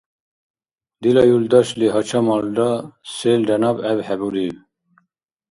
Дила юлдашли гьачамалра, селра наб гӀебхӀебуриб.